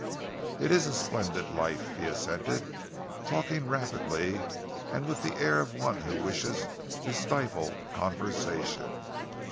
"It's a splendid life," he assented, talking rapidly and with the air of one who wishes to stifle conversation.